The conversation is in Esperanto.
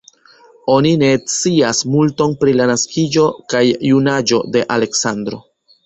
Oni ne scias multon pri la naskiĝo kaj junaĝo de Aleksandro.